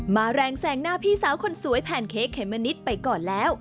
แรงแสงหน้าพี่สาวคนสวยแพนเค้กเมมะนิดไปก่อนแล้ว